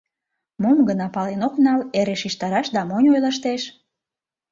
Мом гына пален ок нал, эре шижтараш да монь ойлыштеш.